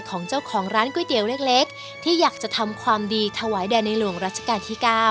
ของเจ้าของร้านก๋วยเตี๋ยวเล็กที่อยากจะทำความดีถวายแด่ในหลวงรัชกาลที่๙